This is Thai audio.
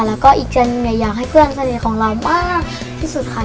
แล้วก็อีกจนเนี่ยอยากให้เพื่อนสนิทของเรามากที่สุดค่ะ